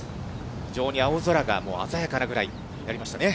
非常に青空が鮮やかなぐらいになりましたね。